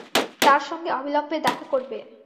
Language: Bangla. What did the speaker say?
তাঁর সঙ্গে অবিলম্বে দেখা করবে।